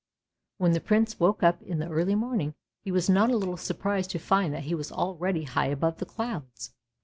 When the Prince woke up in the early morning, he was not a little surprised to find that he was already high above the clouds.